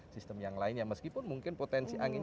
sistem yang lainnya meskipun mungkin potensi angin